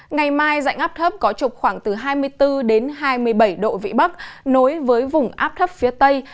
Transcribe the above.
ngày mai dạnh áp thấp có trục khoảng từ hai mươi bốn hai mươi bảy độ vĩ bắc nối với vùng áp thấp phía tây